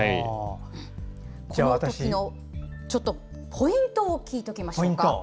この時のちょっとポイントを聞いておきましょうか？